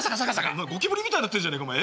お前ゴキブリみたいになってんじゃねえかお前え？